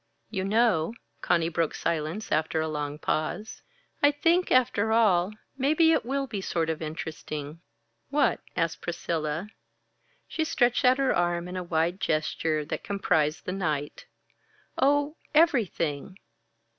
"You know," Conny broke silence after a long pause "I think, after all, maybe it will be sort of interesting." "What?" asked Priscilla. She stretched out her arm in a wide gesture that comprised the night. "Oh, everything!"